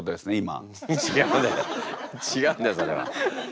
ちがうんだよそれは。